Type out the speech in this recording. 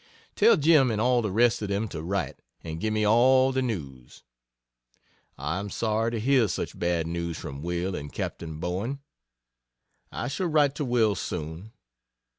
Tell Jim and all the rest of them to write, and give me all the news. I am sorry to hear such bad news from Will and Captain Bowen. I shall write to Will soon.